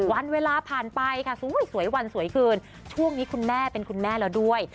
วันเวลาผ่านไปค่ะสวยวันสวยคืนช่วงนี้คุณแม่เป็นคุณแม่แล้วด้วย